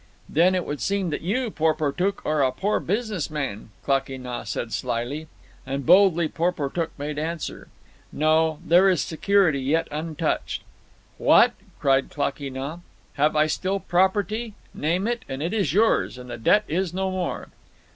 "Then it would seem that you, Porportuk, are a poor business man," Klakee Nah said slyly. And boldly Porportuk made answer, "No; there is security yet untouched." "What!" cried Klakee Nah. "Have I still property? Name it, and it is yours, and the debt is no more."